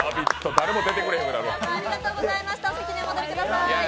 誰も出てくれなくなるわ。